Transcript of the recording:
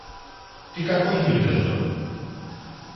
Τι κακό γίνεται δω;